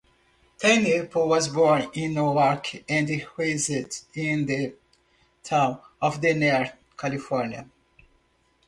TenNapel was born in Norwalk and raised in the town of Denair, California.